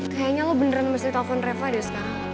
kayaknya lo beneran mesti telepon reva deh sekarang